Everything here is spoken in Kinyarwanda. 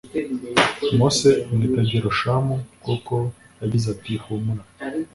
mose amwita gerushomu kuko yagize ati humura